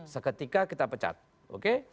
seketika kita pecat oke